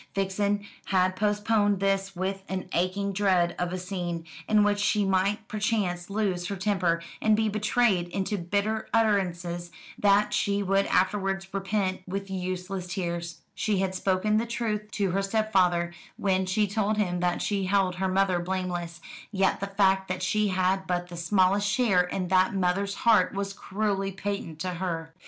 Vixen had postponed this with an aching dread of a scene, in which she might perchance lose her temper, and be betrayed into bitter utterances that she would afterwards repent with useless tears. She had spoken the truth to her stepfather when she told him that she held her mother blameless; yet the fact that she had but the smallest share in that mother's heart was cruelly patent to her.